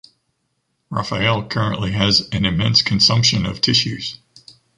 Rafael currently has an immense consumption of tissues.